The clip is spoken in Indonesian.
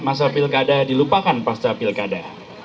pada saat pilkada dilupakan pasca pilkada